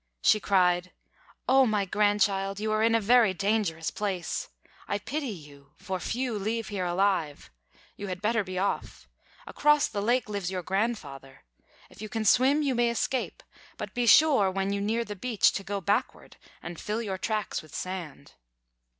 She cried: "Oh, my grandchild, you are in a very dangerous place. I pity you, for few leave here alive. You had better be off. Across the lake lives your grandfather. If you can swim, you may escape; but be sure, when you near the beach, to go backward and fill your tracks with sand."